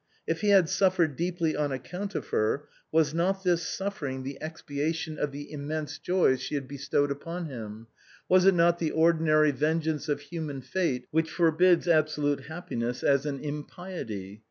If he had suffered deeply on account of her, was not this suffering the expiation of the 308 THE BOHEMIANS OF THE LATIN QUARTER, immense joys she had bestowed upon him? Was it not the ordinary vengeance of human fate which forbids abso lute happiness as an impiety?